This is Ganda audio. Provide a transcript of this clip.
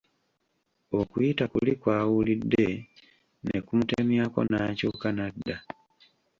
Okuyita kuli kw’awulidde ne kumutemyako n’akyuka n’adda.